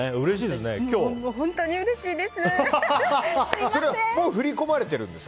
本当にうれしいです！